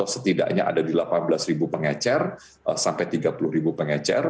setidaknya ada di delapan belas pengecar sampai tiga puluh pengecar